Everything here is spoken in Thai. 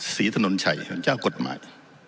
ศรีถนนชัยเจ้ากฎหมาย